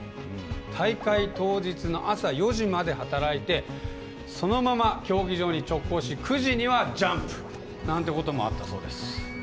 大会当日の朝４時まで働いて、そのまま競技場に直行し、９時にはジャンプなんてこともあったそうです。